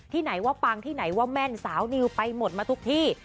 ไหนว่าปังที่ไหนว่าแม่นสาวนิวไปหมดมาทุกที่